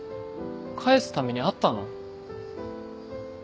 返すために会ったの？